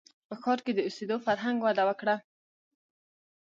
• په ښار کې د اوسېدو فرهنګ وده وکړه.